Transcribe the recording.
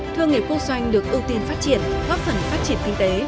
thương nghiệp quốc doanh được ưu tiên phát triển góp phần phát triển kinh tế